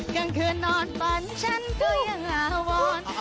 กลางเกินนอนบ้านฉันก็ยังอาวอน